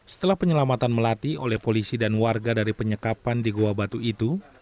setelah penyelamatan melati oleh polisi dan warga dari penyekapan di goa batu itu